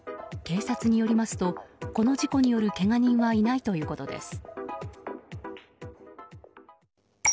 警察によりますとこの事故によるけが人はいないということです。